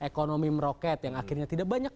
lalu akhirnya ekonomi meroket yang akhirnya tidak banyak